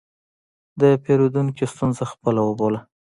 د پیرودونکي ستونزه خپله وبوله.